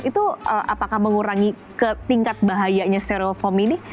itu apakah mengurangi ke tingkat bahayanya stereofoam ini